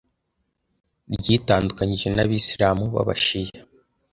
ryitandukanyije na Abisilamu b’Abashiya